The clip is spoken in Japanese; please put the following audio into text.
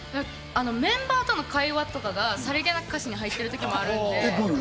メンバーとの会話とかがさりげなく歌詞に入ってる時がある。